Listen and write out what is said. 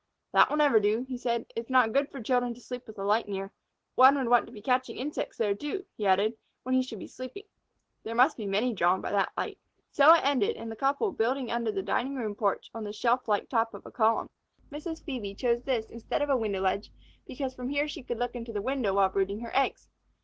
"That will never do," he said. "It is not good for children to sleep with a light near. One would want to be catching insects there, too," he added, "when he should be sleeping. There must be many drawn by the light." So it ended in the couple building under the dining room porch on the shelf like top of a column. Mrs. Phœbe chose this instead of a window ledge because from here she could look into the window while brooding her eggs.